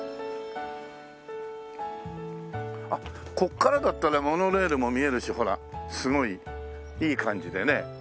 あっここからだったらモノレールも見えるしほらすごいいい感じでね。